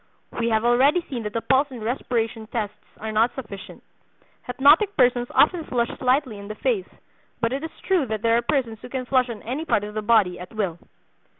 We have already seen that the pulse and respiration tests are not sufficient. Hypnotic persons often flush slightly in the face; but it is true that there are persons who can flush on any part of the body at will.